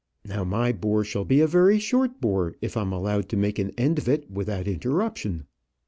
Now my bore shall be a very short bore if I'm allowed to make an end of it without interruption."